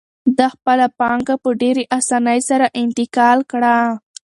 ده خپله پانګه په ډېرې اسانۍ سره انتقال کړه.